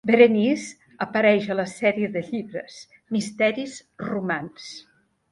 Berenice apareix a la sèrie de llibres Misteris Romans.